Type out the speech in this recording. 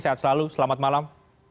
sehat selalu selamat malam